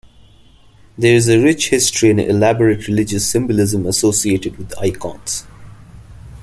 There is a rich history and elaborate religious symbolism associated with icons.